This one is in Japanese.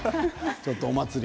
ちょっとお祭り。